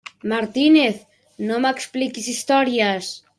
Martínez, no m'expliquis històries!